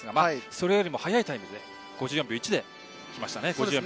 それよりも速いタイム５４秒１７できましたね。